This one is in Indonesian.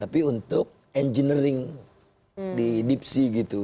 tapi untuk engineering di deep sea gitu